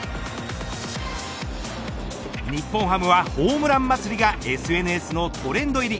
日本ハムはホームラン祭りがＳＮＳのトレンド入り。